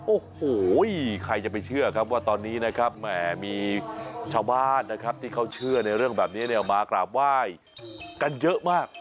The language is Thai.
โอ้โหใครจะไปเชื่อครับว่าตอนนี้นะครับแหมมีชาวบ้านนะครับที่เขาเชื่อในเรื่องแบบนี้เนี่ยมากราบไหว้กันเยอะมาก